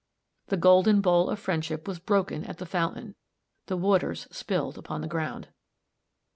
The golden bowl of friendship was broken at the fountain the waters spilled upon the ground.